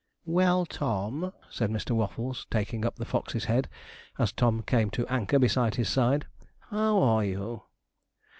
'Well, Tom,' said Mr. Waffles, taking up the Fox's head, as Tom came to anchor by his side, 'how are you?'